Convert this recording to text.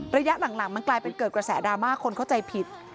ระยะหลังมันกลายเป็นเกิดกระแสดราม่าคนเข้าใจผิด